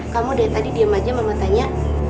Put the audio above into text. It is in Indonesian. kamu dari tadi diem aja mama tanya